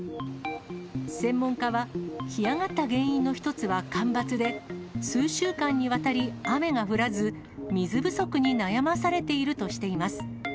専門家は、干上がった原因の一つは干ばつで、数週間にわたり雨が降らず、水不足に悩まされているとしています。